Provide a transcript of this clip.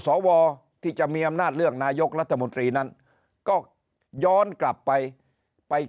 สวที่จะมีอำนาจเลือกนายกรัฐมนตรีนั้นก็ย้อนกลับไปไป